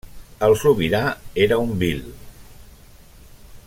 El sobirà era un bhil.